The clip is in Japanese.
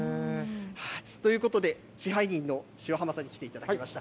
ということで、支配人の潮濱さんに来ていただきました。